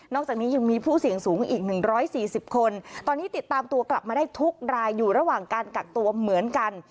จากนี้ยังมีผู้เสี่ยงสูงอีก๑๔๐คนตอนนี้ติดตามตัวกลับมาได้ทุกรายอยู่ระหว่างการกักตัวเหมือนกัน